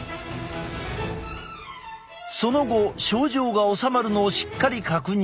その後症状がおさまるのをしっかり確認。